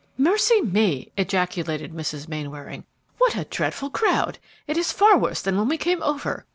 "Mercy me!" ejaculated Mrs. Mainwaring, "what a dreadful crowd! It is far worse than when we came over.